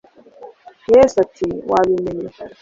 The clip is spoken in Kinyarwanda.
yezu ati wabimenye